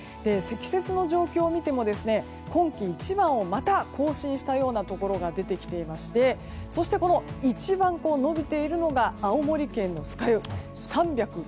積雪の状況を見ても今季一番をまた更新したようなところが出てきていましてそして、一番伸びているのが青森県の酸ヶ湯。